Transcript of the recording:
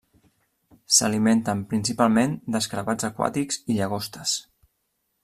S'alimenten principalment d'escarabats aquàtics i llagostes.